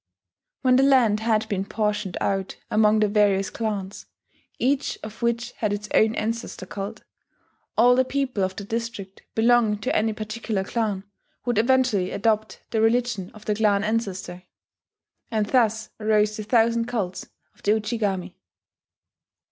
When the land had been portioned out among the various clans, each of which had its own ancestor cult, all the people of the district belonging to any particular clan would eventually adopt the religion of the clan ancestor; and thus arose the thousand cults of the Ujigami.